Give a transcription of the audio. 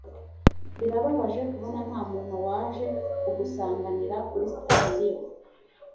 Birababaje kubona ntamuntu waje kugusanganira kuri sitasiyo